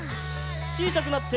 ちいさくなって。